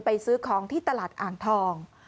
ซื้อของที่ตลาดอ่างทอง